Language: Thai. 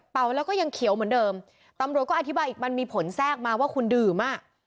แล้วก็ยังเขียวเหมือนเดิมตำรวจก็อธิบายอีกมันมีผลแทรกมาว่าคุณดื่มอ่ะ